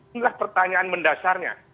inilah pertanyaan mendasarnya